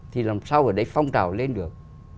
thì làm sao ở đấy phong trào lên được